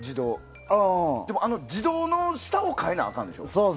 でも、自動の下を替えなあかんでしょ。